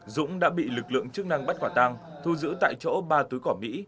dũng đã bị lực lượng chức năng bắt quả tang thu giữ tại chỗ ba túi cỏ mỹ